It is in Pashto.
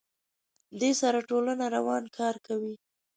دې سره ټولنه روان کار کوي.